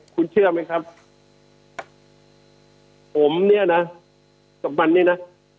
คุณเชื่อไหมครับผมเนี่ยนะกับมันเนี่ยนะ